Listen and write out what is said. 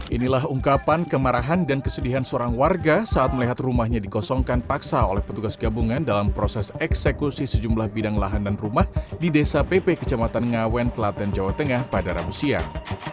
inilah ungkapan kemarahan dan kesedihan seorang warga saat melihat rumahnya dikosongkan paksa oleh petugas gabungan dalam proses eksekusi sejumlah bidang lahan dan rumah di desa pp kecamatan ngawen kelaten jawa tengah pada rabu siang